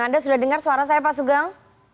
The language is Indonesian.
anda sudah dengar suara saya pak sugeng